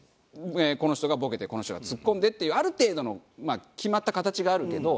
この人がボケてこの人がツッコんでっていうある程度の決まった形があるけど。